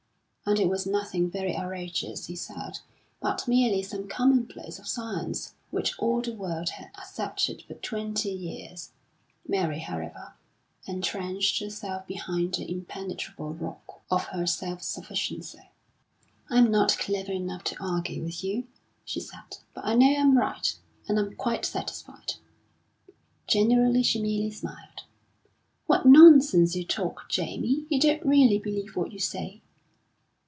And it was nothing very outrageous he said, but merely some commonplace of science which all the world had accepted for twenty years. Mary, however, entrenched herself behind the impenetrable rock of her self sufficiency. "I'm not clever enough to argue with you," she said; "but I know I'm right; and I'm quite satisfied." Generally she merely smiled. "What nonsense you talk, Jamie! You don't really believe what you say."